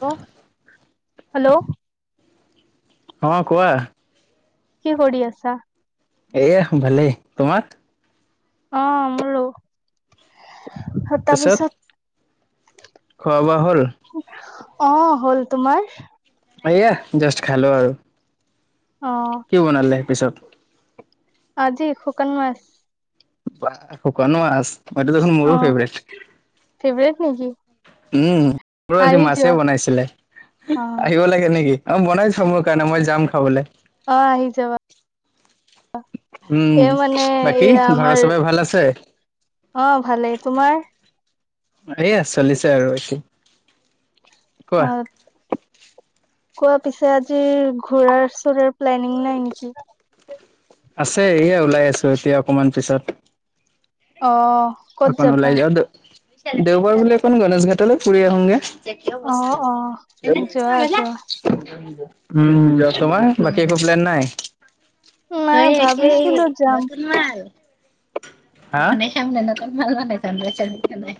Hello, hello. অঁ', কোৱা? কি কৰি আছা? এয়া ভালেই, তোমাৰ? অঁ', মোৰো, তাৰপিছত খোৱা-বোবা হ'ল? অঁ', -হ'ল, তোমাৰ? মই এয়া জাষ্ট খালো আৰু। অ'। কি বনালে পিছত? আজি শুকান মাছ। বাঃ শুকান মাছ, সেইটো দেখোন অ মোৰো ফেভৰেট। ফেভৰেট নেকি? উমঁ, আমাৰো আজি আহি যোৱা মাছেই বনাইছিলে অ আহিব লাগে নেকি। অ', বনাই থোৱা মোৰ কাৰণে মই যাম খাবলৈ। অ', আহি যাবা। এই উমঁ, মানে বাকী এইয়া ঘৰৰ আমাৰ চবেই ভাল আছে? অ', -ভালেই, তোমাৰ? এইয়া চলি আছে আৰু। কোৱা হয়। কোৱা পিছে আজি ঘূৰা-চুৰা প্লেনিং নাই নেকি? আছে, এয়া ওলাই আহিছো এতিয়া অকণমান পিছত। অ'। ক'ত অকণ যাবা? ওলাই যাওঁ, দেওঁবাৰ বুলি অকণ গণেশ ঘাটলৈ ফুৰি আহোগে। অ অ [inaudible] যোৱা যোৱা। উমঁ, যে তোমাৰ বাকী' একো প্লেন নাই? নাই তাই একে। ভাবিছিলো যাম। মাল হা [unintelligible] নতন মাল মানে নাই।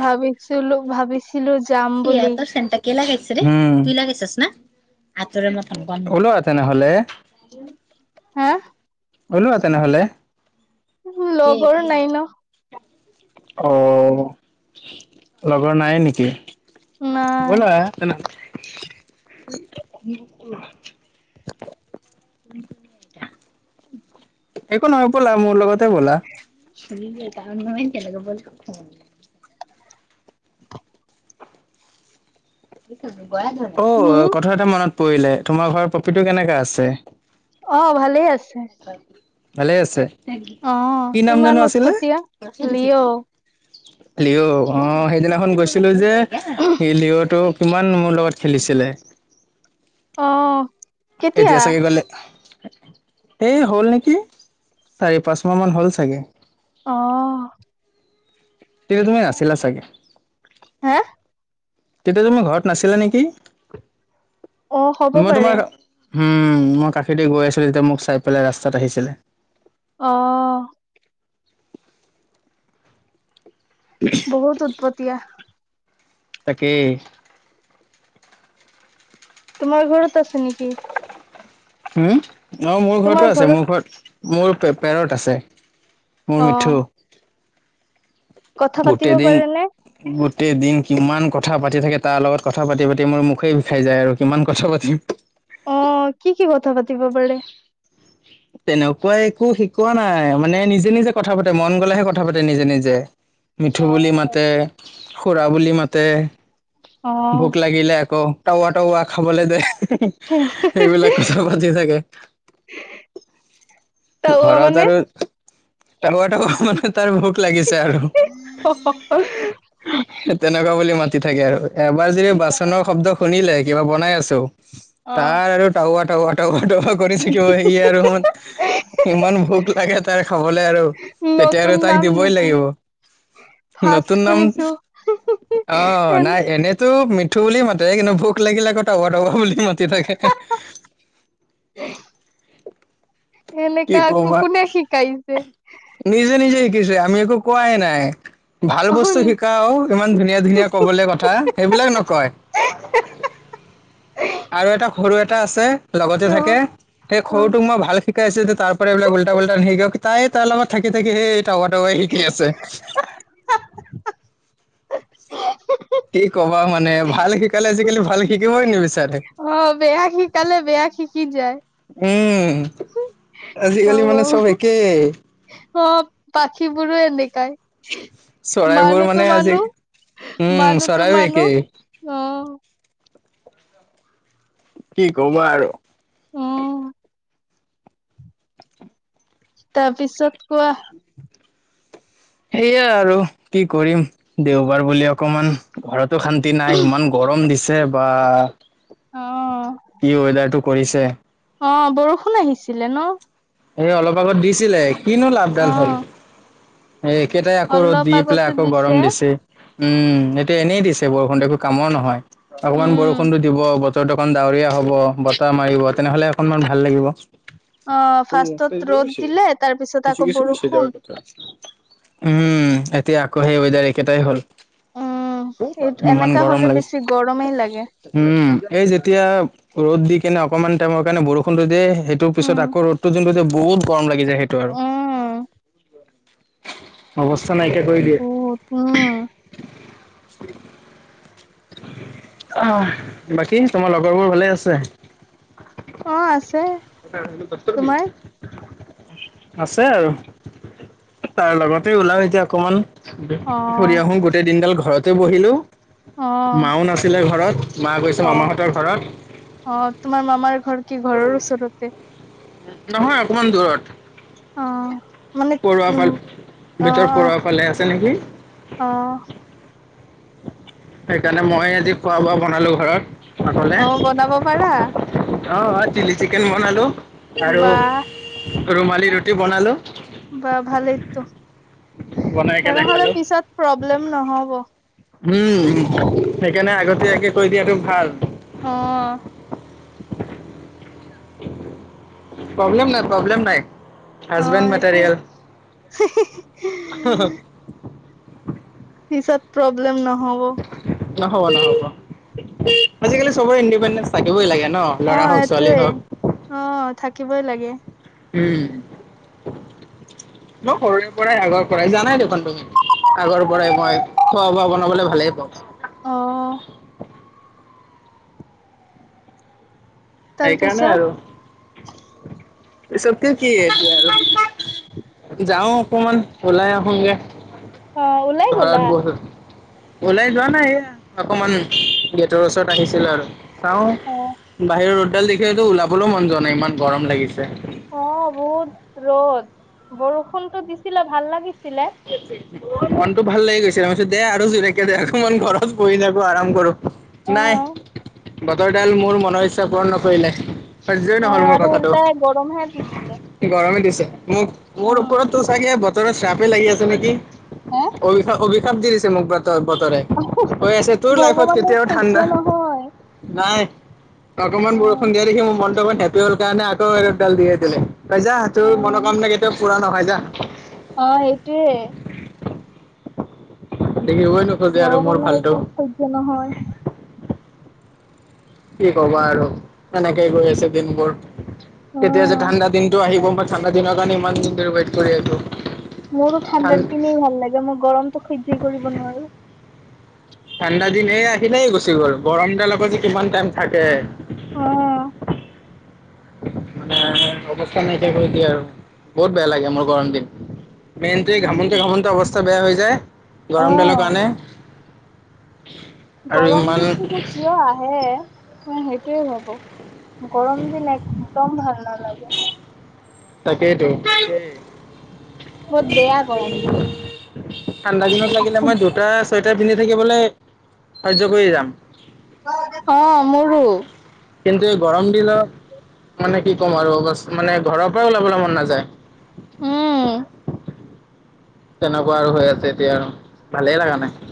ভাবিছিলো ভাবিছিলো যাম বুলি। [unintelligible] ওলোৱা তেনেহলে হা। ওলোৱা তেনেহলে একে লগৰ একে। নাই ন। অ', লগৰ নাই নেকি? নাই ব'লা তেনেহলে। একো নহয় ব'লা মোৰ লগতে ব'লা। শুনি বিয়ে গাহৰি মানুহ নহয় তেনেকুৱা বইল খুব খাওঁ আমি। অ হম কথা এটা মনত পৰিলে তোমাৰ ঘৰ পপীটো কেনেকা আছে। অ ভালে আছে। ভালে আছে। অ কি নাম ইমান জানো আছিলে। উৎপতীয়া লিঅ' লিঅ' অ সেইদিনাখন গৈছিলো যে সেই লিঅ'টো। কিমান মোৰ লগত খেলিছিলে। অঁ। এতিয়া চাগে গলে। এই হ'ল নেকি চাৰি পাঁচ ছয়মাহ মান হ'ল চাগে। অ। তেনেদৰে আছিলা চাগে। হা। তেতিয়া তুমি ঘৰত নাছিলা নেকি? অ হ'ব মই পাৰে তোমাক উম মই কাষেদি গৈ আছিলো তেতিয়া মোক চাই পেলাই ৰাস্তাত আহিছিলে। অঁ। উ। [inaudible] বহুত উতপতিয়া। তাকে। তোমাৰ ঘৰত আছে নেকি। উম অ মোৰ তোমাৰ ঘৰতো আছে। ঘৰত মোৰ ঘৰত মোৰ পে পেৰত আছে। মোৰ অ মিঠু। কথা পাতিব গোটেই দিন। পাৰে নে গোটেই দিন কিমান কথা পাতি থাকে তাৰ লগত কথা পাতি পাতি মোৰ মুখেই বিষাই যায় আৰু কিমান কথা পাতিম। অ কি কি কথা পাতিব পাৰে। তেনেকুৱা একো শিকোৱা নাই। মানে নিজে নিজে কথা পাতে মন গলেহে কথা পাতে নিজে নিজে। মিঠু অ বুলি মাতে, খুৰা বুলি মাতে, অ ভোক লাগিলে আকৌ। টাৱা টাৱা খাবলৈ দে, [unintelligible] সেইবিলাক কথা পাতি থাকে। তাৱা ঘৰত মানে আৰু। আৰু এটা কথা নহয় তাৰ ভোক লাগিছে আৰু। সেই তেনেকুৱা বুলি মাতি থাকে আৰু এবাৰ যদি বাচনৰ শব্দ শুনিলে কিবা বনাই আছো। অ তাৰ আৰু টাৱা, টাৱা, টাৱা, টাৱা কৰি থাকিব সি আৰু। ইমান ভোক লাগে তাৰ খাবলে আৰু, তেতিয়া নতুন আৰু নাম তাক দিবই নেকি লাগিব। ফাৰ্ষ্ট নতুন নাম শুনিছো অ এনে নাই এনেই। তো মিঠু বুলি মাতে কিন্তু ভোক লাগিলে আকৌ টাৱা টাৱা বুলি মাতি থাকে। উ। [unintelligible] কি এনেকা কো কো কবা কোনে শিকাইছে। নিজে নিজে শিকিছে আমি একো কোৱাই নাই। ভাল অ বস্তু শিকাওঁ ইমান ধুনীয়া ধুনীয়া কবলে কথা, সেইবিলাক নকয়। [unintelligible] আৰু এটা সৰু এটা আছে লগতে থাকে, অ', সেই অ', সৰুটোক মই ভাল- শিকাইছে টো তাৰ পৰা এইবিলাক উল্টা পোল্টা নিশিকাও তাই তাৰ লগত থাকি থাকি সেই টাৱা টাৱাই শিকি আছে। কি কবা মানে? ভাল শিকালে আজিকালি ভাল শিকিবই নিবিচাৰে। অঁ বেয়া শিকালে বেয়া শিকি যায়। উম' আজিকালি মানে চব একেই। অঁ পাখিবোৰো এনেকাই। চৰাইবোৰ মানে মানোতো আজি মানো উম মানুহতো চৰাইও মানো একেই অঁ। কি কবা আৰু? অঁ' তাৰপিছত, কোৱা? সেইয়া আৰু, কি কৰিম? দেওবাৰ বুলি অকমান- ঘৰতো শান্তি নাই ইমান গৰম দিছে বা। অ', কি ওৱেদাৰ টো কৰিছে। অঁ' বৰষুণ আহিছিলে ন? এই অলপ আগত দিছিলে, কিনো লাভ দাল হ'ল? অ', সেই একেটাই আকৌ ৰ'দ অলপ দি পেলাই আগতে আকৌ গৰম দিছে। উম' সেইটো এনেই দিছে বৰষুণটো একো কামৰ নহয়। অকমান উম, বৰষুণটো দিব বত- তৰটো অকমান ডাৱৰীয়া হ'ব বতাহ মাৰিব, তেনেহ'লে অকনমান ভাল লাগিব। অ', সেই আঠ ফাৰ্ষ্টত তাৰিখে ৰ'দ গৈছে। দিলে তাৰপিছত আকৌ গুচি গৈছে বেছি বৰষুণ ডাঙৰ কথা। উম' এতিয়া আকৌ সেই ওৱেডাৰ একেটাই হ'ল। এইত ইমান এনেকা গৰম হলে লাগিছে বেছি গৰমেই লাগে। উম' এই যেতিয়া- ৰ'দ দি কেনে অকমান টাইমৰ কাৰে বৰষুণটো দিয়ে। সেইটো পিছত উম, আকৌ ৰ'দটো যোনটো দিয়ে বহুত গৰম লাগি যায়- সেইটো আৰু। উম, অৱস্থা নাইকিয়া কৰি দিয়ে। বহুত উম'। অঁহ বাকী তোমাৰ লগৰ বোৰ ভালেই আছে? অঁ' আছে। তোমাৰ [unintelligible] আছে আৰু। তাৰ লগতে ওলাম এতিয়া অকমান। অঁ' ফুৰি আহোঁ গোটেই দিনডাল ঘৰতে বহিলোঁ, অ মাও নাছিলে ঘৰত। মাঁ গৈছে মামাহঁতৰ ঘৰত। অঁ' তোমাৰ মামাৰ ঘৰ কি ঘৰৰ ওচৰতে? নহয় অকমান দূৰত। অঁ'। পৰুৱা পাল ভিতৰত পৰুৱা ফালে আছে নেকি? অঁ'। সেইকাৰণে মইয়ে আজি খোৱা-বোৱা বনালো ঘৰত। অঁ, বনাব পাৰা? অঁ অ, চিলি চিকেন বনালো, আৰু বা ৰুমালি ৰুটি বনালো। বা ভালেইতো, বনাই কেনে তেনেহলে খালো পিছত প্ৰব্লেম নহ'ব। উম' উম' সেইকাৰণে আগতীয়াকে কৈ দিয়াটো ভাল। অঁ প্ৰব্লেম নাই, প্ৰব্লেম নাই, অ হাজবেণ্ড এইটোৱে মেটেৰিয়েল [unintelligible] পিছত, প্ৰব্লেম নহ'ব। নহ'ব, নহ'ব। আজিকালি চবৰে ইণ্ডিপেণ্ডেন্ঞ্চ থাকিবই লাগে ন'? ল'ৰা অ', হওক ছোৱালী এইটোৱে, হওক অঁ থাকিবই লাগে। উম' মই সৰুৰে পৰাই আগৰ পৰাই জানাই দেখোন তুমি। আগৰ পৰাই মই, খোৱা -বোৱা বনাবলৈ ভালেই পাওঁ। অ' সেইকাৰণে তাৰপিছত আৰু, পিছতকে কি এতিয়া আৰু যাওঁ অকমান ওলাই আহোগে। অ ওলাই গলা ঘৰত বহি [inaudible] ওলাই যোৱা নাই এইয়া, অকমান গেটৰ ওচৰত আহিছিলো আৰু, চাওঁ, অ বাহিৰৰ ৰ'দডাল দেখিলেটো ওলাবলৈও মন যোৱা নাই ইমান গৰম লাগিছে। অঁ বহুত ৰ'দ বৰষুণতটো দিছিলে ভাল লাগিছ [unintelligible] মনতটো ভাল লাগি গৈছে, ত মই কৈছোঁ দে আৰু জোৰেকে দে অকমান ঘৰত বহি থাকো আৰাম কৰো। নাই অ বতৰ ডাল মোৰ মনৰ ইচ্ছা পূৰণ নকৰিলে। সহ্যই অ' নহ'ল মোৰ আৰু কথাটো উলটাই গৰমহে দি দিলে। গৰমে দিছে মোক মোৰ উম ওপৰত তো চাগে বতৰত শ্ৰাপে লাগি আছে নেকি। হে অভিশা অভিশাপ দি দিছে মোক বতৰ বতৰে। কৈ আছে তোৰ লাইফত ভগৱানৰ কেতিয়াও ঠাণ্ডা সহ্য নহয় নাই অকমান অ বৰষুণ দিয়া দেখি মোৰ মনটো অকমান হেপি হ'ল কাৰণে আকৌ ৰ'দ ডাল দি এ দিলে। তই যা অ তোৰ মনোকামনা কেতিয়া পুৰা নহয় যা। অ' সেইটোয়ে। দেখিবই নো ভগবানৰ এটো সহ্য নহয়। কি কবা আৰু এনেকেই গৈ আছে দিনবোৰ, অ কেতিয়া যে ঠাণ্ডা দিনতটো আহিব ম ঠাণ্ডা দিনৰ কাৰণে ইমান দিন ধৰি ৱেইট কৰি আছো। মোৰো ঠান ঠাণ্ডাৰ দিনই লাগে, মই গৰমটো সহ্য কৰিব নোৱাৰো। ঠাণ্ডা দিন এই আহিলেই গুচি গ'ল। গৰম দাৰ আক' যে কিমান টাইম থাকে। অ' নাই অৱস্থা নাইকিয়া কৰি দিয়ে আৰু বহুত বেয়া লাগে মোৰ গৰম দিন। মেইনটোৱে ঘামঙতে ঘামঙতে অৱস্থা বেয়া হৈ যায়, অ গৰম ডালৰ কাৰণে। উ গৰম দিনটো যে কিয় আহে মই সেইটোৱেই ভাৱোঁ। গৰম দিন একদম ভাল নালাগে। তাকেইতো তাকে বহুত বেয়া গৰম দিনটো ঠাণ্ডা দিনত লাগিলে মই দু দুটা চুৱেটাৰ পিন্ধি থাকিবলে সহ্য কৰি যাম। অঁ মোৰো কিন্তু এই গৰম দিনত, মানে কি ক'ম আৰু মানে ঘৰৰ পৰাই ওলাবলৈ মন নাযায়। উম তেনেকুৱা আৰু হৈ আছে এতিয়া আৰু ভালেই লাগা নাই।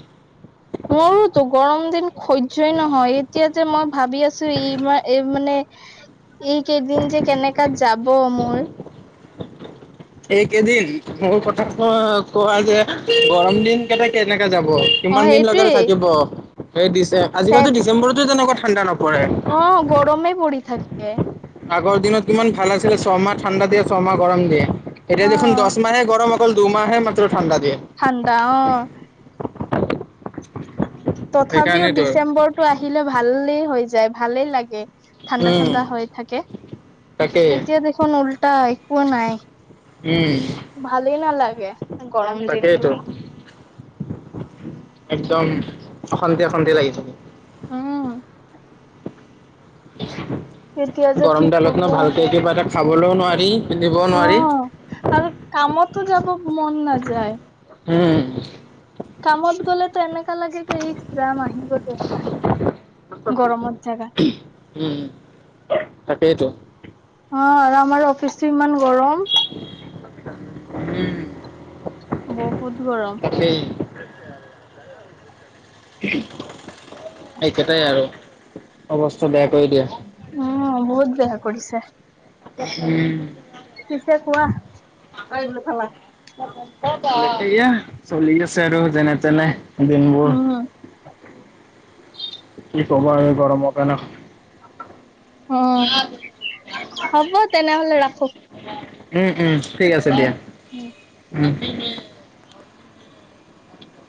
মোৰোতো গৰম দিন সহ্যই নহয়, এতিয়া যে মই ভাবি আছো ই মানে এই কেইদিন যে কেনেকা যাব মোৰ এইকেইদিন মোৰ কথা ক কোৱা যে গৰম দিন কেইটা কেনেকে যাব অ কিমান দিন লগাৰ এইটোৱেই থাকিব এই ডিচে আজিকালিটো ডিচেম্বৰতো তেনেকুৱা ঠাণ্ডা নপৰে অ গৰমে পৰি থাকে আগৰ দিনত কিমান ভাল আছিলে ছমাহ ঠাণ্ডা দিয়ে ছমাহ গৰম দিয়ে এতিয়া অ দেখোন দহমাহে গৰম অকল দুমাহে মাত্ৰ ঠাণ্ডা দিয়ে ঠাণ্ডা অ তথাপিও সেইকাৰণেতো ডিচেম্বৰটো আহিলে ভালেই হৈ যায় ভালেই লাগে ঠাণ্ডা উম ঠাণ্ডা হৈ থাকে তাকেই। এতিয়া দেখোন উল্টা একো নাই উম ভালেই নালাগে গৰম তাকেইতো দিনকেইটা একদম অশান্তি অশান্তি লাগি থাকে উম কেতিয়া যে গৰম ঠিক দালত হব ন ভালকে কিবা এটা খাবলও নোৱাৰি পিন্ধিবও নোৱাৰি অ আৰু কামতো যাব মন নাযায় উম কামত গ'লেতো এনেকা লাগে যে ইচ ৰাম আহিব দেউতা গৰমত জাগা উম, তাকেইটো। অ, আৰু আমাৰ অফিচটো ইমান গৰম। উম বহুত গৰম। সেই একেটাই আৰু অৱস্থা বেয়া কৰি দিয়ে।। উম বহুত বেয়া কৰিছে। উম চিছেে কোৱা আৰুিল ভালা [inaudible] সেইয়া চলি আছে আৰু। যেনে, তেনে দিনবোৰ। উম কি হ'ব আৰু গৰমৰ কাৰনে। অ হ'ব তেনেহলে ৰাখো। উম, উম ঠিক আছে উম দিয়া। উম উম